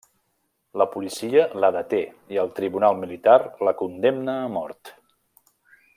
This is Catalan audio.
La policia la deté i el Tribunal militar la condemna a mort.